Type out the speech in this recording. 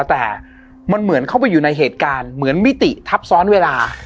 แต่มันเหมือนเข้าไปอยู่ในเหตุการณ์เหมือนมิติทับซ้อนเวลา